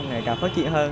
ngày càng phát triển hơn